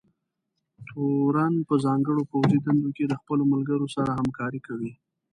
تورن په ځانګړو پوځي دندو کې د خپلو ملګرو سره همکارۍ کوي.